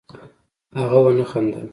هغه ونه خندل